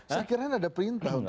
sekiranya ada perintah untuk itu